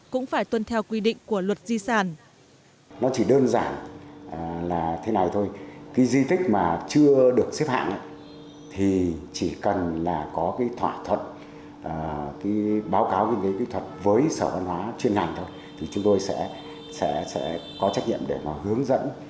cũng phải tuân theo quy định của luật di sản